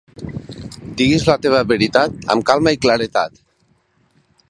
Digues la teva veritat amb calma i claredat.